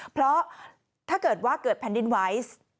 เพราะถ้าเกิดว่าเกิดแผ่นดินไหว